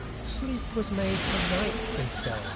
Sleep was made for night, they say.